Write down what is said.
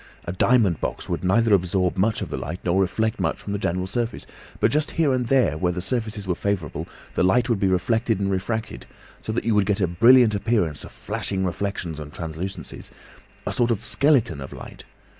A diamond box would neither absorb much of the light nor reflect much from the general surface, but just here and there where the surfaces were favourable the light would be reflected and refracted, so that you would get a brilliant appearance of flashing reflections and translucencies—a sort of skeleton of light.